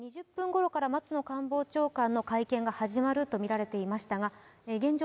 ８時２０分ごろから松野官房長官の会見が行われるといわれていましたが現状